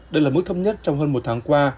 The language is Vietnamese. đây là mức thấp nhất trong hơn một tháng qua